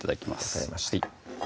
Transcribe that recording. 分かりました